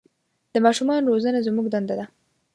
د ماشومان روزنه زموږ دنده ده.